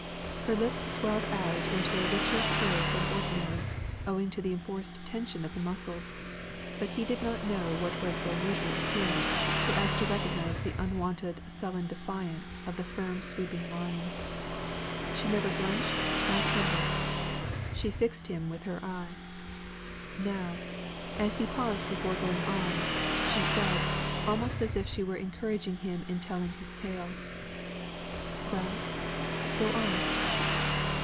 Her lips swelled out into a richer curve than ordinary, owing to the enforced tension of the muscles, but he did not know what was their usual appearance, so as to recognise the unwonted sullen defiance of the firm sweeping lines. She never blenched or trembled. She fixed him with her eye. Now as he paused before going on, she said, almost as if she would encourage him in telling his tale "Well go on!"